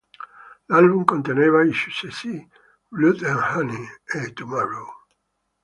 L'album conteneva i successi "Blood and Honey" e "Tomorrow".